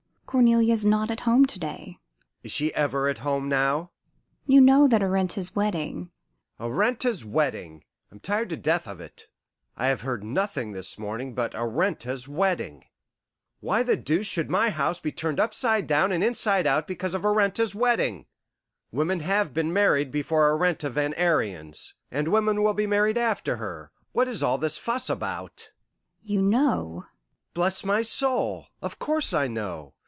"Cornelia is not at home to day." "Is she ever at home now?" "You know that Arenta's wedding " "Arenta's wedding! I am tired to death of it: I have heard nothing this morning but Arenta's wedding. Why the deuce! should my house be turned upside down and inside out for Arenta's wedding? Women have been married before Arenta Van Ariens, and women will be married after her. What is all this fuss about?" "You know " "Bless my soul! of course I know.